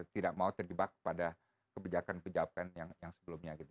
tidak mau terjebak pada kebijakan kebijakan yang sebelumnya